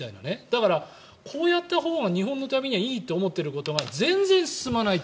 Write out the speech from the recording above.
だからこうやったほうが日本のためにはいいと思っていることが全然進まないと。